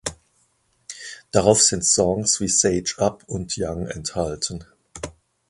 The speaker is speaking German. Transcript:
Darauf sind Songs wie "Sage Up" und "Young" enthalten.